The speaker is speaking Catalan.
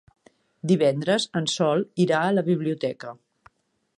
Divendres en Sol irà a la biblioteca.